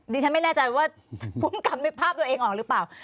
ดิฉันไม่แน่ใจว่าภูมิกับนึกภาพตัวเองออกหรือเปล่า